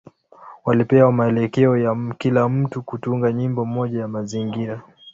Walipewa maelekezo ya kila mtu kutunga nyimbo moja ya mazingira.